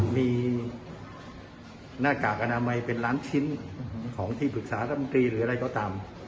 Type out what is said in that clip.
มีหน้ากากอนามัยเป็นล้านชิ้นของที่ปรึกษารัฐมนตรีหรืออะไรก็ตาม